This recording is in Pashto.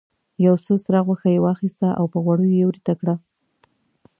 یو څه سره غوښه یې واخیسته او په غوړیو یې ویریته کړه.